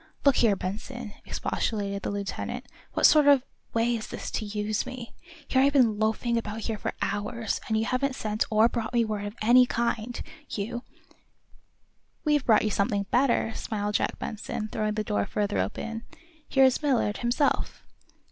"Look here, Benson," expostulated the lieutenant, "what sort of way is this to use me? Here I've been loafing about here for hours, and you haven't sent or brought me word of any kind. You " "We've brought you something better," smiled Jack Benson, throwing the door further open. "Here is Millard, himself."